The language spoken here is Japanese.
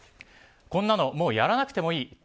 こんなのもうやらなくてもいい。